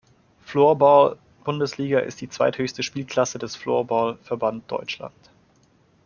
Floorball-Bundesliga ist die zweithöchste Spielklasse des Floorball Verband Deutschland.